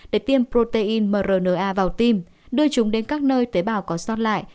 để tiêm protein mrna vào tim đưa chúng đến các nơi tế bào có sót lại